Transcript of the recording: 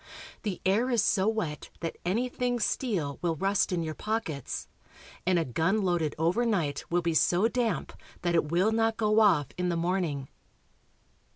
The air is so wet that anything steel will rust in your pockets, and a gun loaded overnight will be so damp that it will not go off in the morning.